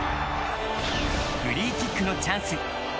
フリーキックのチャンス。